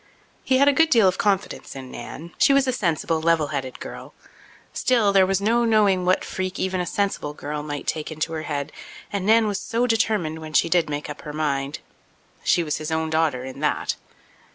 He had a good deal of confidence in Nan, she was a sensible, level headed girl. Still, there was no knowing what freak even a sensible girl might take into her head, and Nan was so determined when she did make up her mind. She was his own daughter in that.